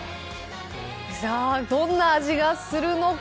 どんな味がするのか。